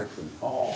・ああ。